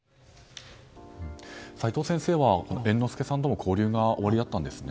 齋藤先生は猿之助さんとも交流がおありだったんですね。